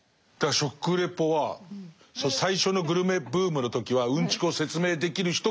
食レポは最初のグルメブームの時はうんちくを説明できる人が重宝がられたんです。